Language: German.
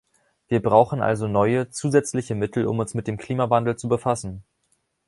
Wir brauchen also neue, zusätzliche Mittel, um uns mit dem Klimawandel zu befassen.